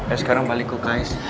eh sekarang balik ke kais